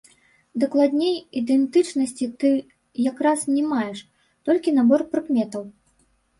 Дакладней, ідэнтычнасці ты якраз не маеш, толькі набор прыкметаў.